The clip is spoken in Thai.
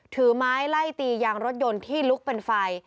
ถือไม้ไล่ตียางรถยนต์ที่ลุกเป็นไฟ